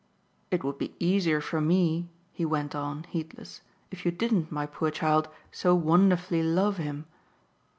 "It would be easier for me," he went on, heedless, "if you didn't, my poor child, so wonderfully love him."